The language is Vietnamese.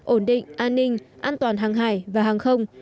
ổn định an ninh an toàn hàng hải và hàng không